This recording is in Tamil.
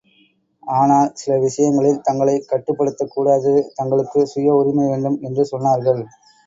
ஆனால், சில விஷயங்களில் தங்களைக் கட்டுப்படுத்தக் கூடாது தங்களுக்குச் சுய உரிமை வேண்டும் என்றும் சொன்னார்கள்.